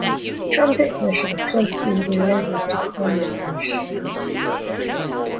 Trumpetfish are closely related to cornetfish.